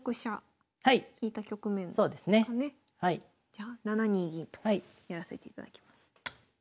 じゃあ７二銀とやらせていただきます。